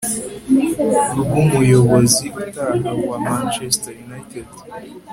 rwumuyobozi utaha wa Manchester United